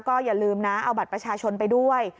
ก็อย่าลืมนะเอาบัตรประชาชนไปด้วย